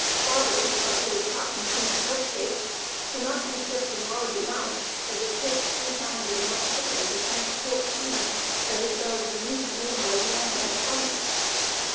Fodder such as cottonseed press cake cannot be shipped in large amounts as it takes three times as much shipping to transport feed as it does the meat made by the animals from it.